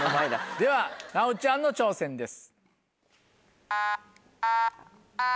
では奈央ちゃんの挑戦です。